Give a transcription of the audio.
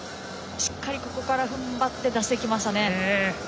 しっかりここからふんばって出してきましたね。